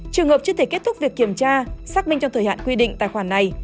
trường hợp chưa thể kết thúc việc kiểm tra xác minh trong thời hạn quy định tài khoản này